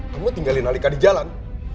kamu tinggalin alika di jalan